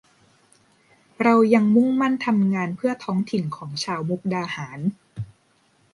เรายังมุ่งมั่นทำงานเพื่อท้องถิ่นของชาวมุกดาหาร